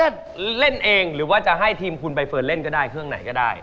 ถ้าเล่นเองหรือว่าจะให้ทีมคุณใบเฟิร์นเล่นก็ได้เครื่องไหนก็ได้